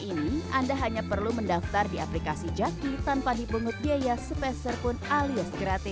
ini anda hanya perlu mendaftar di aplikasi jaki tanpa dipungut biaya speserpun alias gratis